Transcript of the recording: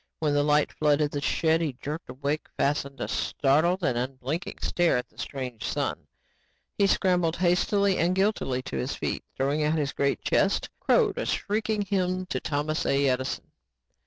When the light flooded the shed he jerked awake and fastened a startled and unblinking stare at the strange sun. He scrambled hastily and guiltily to his feet and throwing out his great chest, crowed a shrieking hymn to Thomas A. Edison.